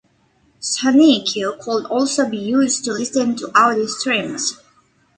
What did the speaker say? Sonique could also be used to listen to audio streams.